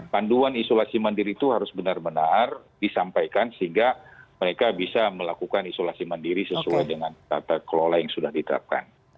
panduan isolasi mandiri itu harus benar benar disampaikan sehingga mereka bisa melakukan isolasi mandiri sesuai dengan tata kelola yang sudah diterapkan